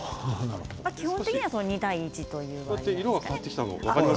基本的には２対１ということですね。